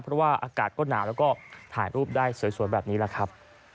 เพราะว่าอากาศก็หนาวแล้วก็ถ่ายรูปได้สวยแบบนี้แหละครับ